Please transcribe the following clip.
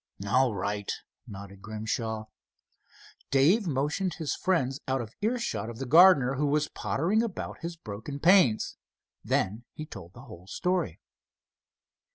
"All right," nodded Grimshaw. Dave motioned his friends out of earshot of the gardener, who was pottering about his broken panes. Then he told the whole story.